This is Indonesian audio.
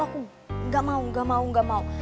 aku gak mau gak mau gak mau